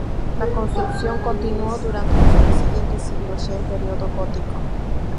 La construcción continuó durante los tres siguientes siglos, ya en periodo gótico.